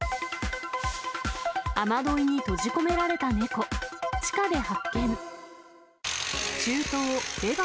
雨どいに閉じ込められた猫、地下で発見。